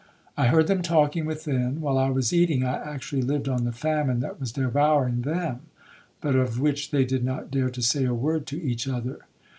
I heard them talking within. While I was eating, I actually lived on the famine that was devouring them, but of which they did not dare to say a word to each other.